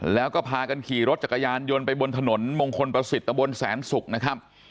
แล้วก็พากันขี่รถจักรยานยนต์ไปบนถนนมงคลประสิทธิ์ตะบนแสนศุกร์นะครับ